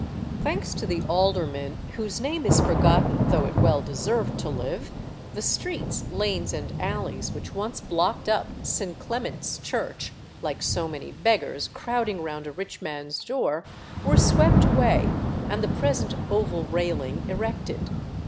Thanks to the alderman, whose name is forgotten, though it well deserved to live, the streets, lanes, and alleys which once blocked up St. Clement's Church, like so many beggars crowding round a rich man's door, were swept away, and the present oval railing erected.